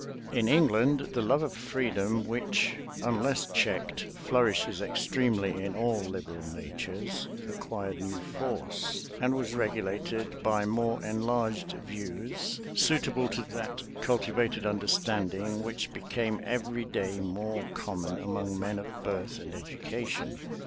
In England, the love of freedom, which, unless checked, flourishes extremely in all liberal natures, acquired new force, and was regulated by more enlarged views, suitable to that cultivated understanding which became every day more common among men of birth and education.